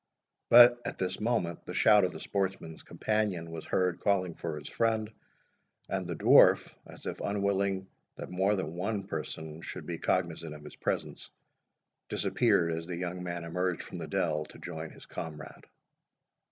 But at this moment, the shout of the sportsman's companion was heard calling for his friend, and the dwarf, as if unwilling that more than one person should be cognisant of his presence, disappeared as the young man emerged from the dell to join his comrade.